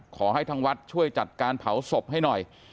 ขอให้ทางวัดช่วยจัดการเผาศพให้หน่อย